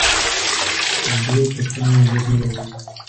د زړه ټپونه ژر نه رغېږي.